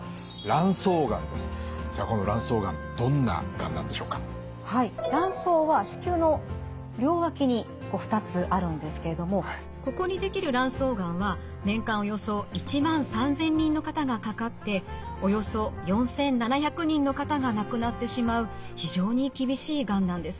卵巣は子宮の両脇に２つあるんですけれどもここに出来る卵巣がんは年間およそ１万３，０００人の方がかかっておよそ４，７００人の方が亡くなってしまう非常に厳しいがんなんです。